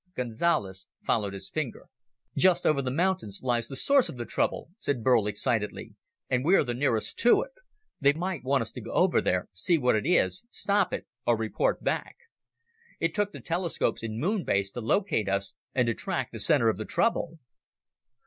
Gonzales followed his finger. "Just over the mountains lies the source of the trouble," said Burl excitedly. "And we're the nearest to it. They want us to go over there, see what it is, stop it, or report back. It took the telescopes in Moon Base to locate us and to track the center of the trouble!"